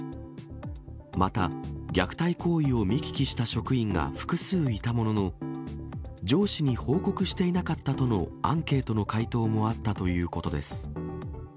また、虐待行為を見聞きした職員が複数いたものの、上司に報告していなかったとのアンケートの回答もあったということです。